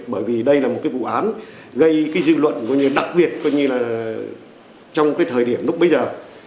bởi vì đây là một vụ án gây dư luận đặc biệt trong thời điểm lúc bây giờ